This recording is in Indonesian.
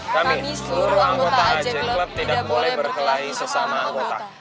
kami seluruh anggota agen club tidak boleh berkelahi sesama anggota